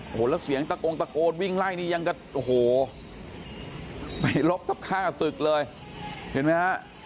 โอ้โหแล้วเสียงตะโกงตะโกนวิ่งไล่นี่ยังก็โอ้โหไปลบทับฆ่าศึกเลยเห็นไหมฮะ